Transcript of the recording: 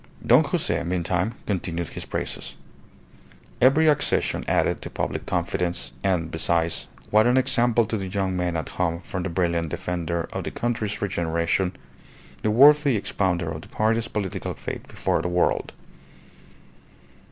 Don Jose, meantime, continued his praises. Every accession added to public confidence, and, besides, what an example to the young men at home from the brilliant defender of the country's regeneration, the worthy expounder of the party's political faith before the world!